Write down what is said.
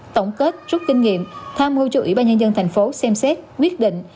tổng kết rút kinh nghiệm tham mưu cho ủy ban nhân dân tp hcm xem xét quyết định